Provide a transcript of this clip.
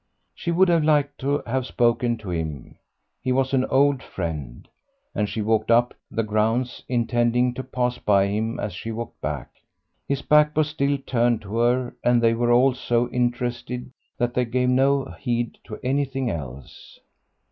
She too would have liked to have spoken to him; he was an old friend. And she walked up the grounds, intending to pass by him as she walked back. His back was still turned to her, and they were all so interested that they gave no heed to anything else.